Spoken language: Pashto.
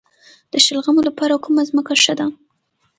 د شلغمو لپاره کومه ځمکه ښه ده؟